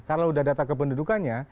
kalau sudah data kependudukannya